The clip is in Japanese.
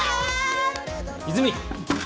泉